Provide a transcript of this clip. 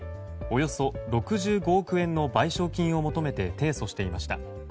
およそ６５億円の賠償金を求めて提訴していました。